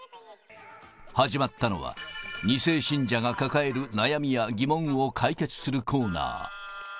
始まったのは、２世信者が抱える悩みや疑問を解決するコーナー。